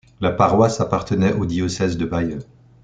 La paroisse appartenait au diocèse de Bayeux.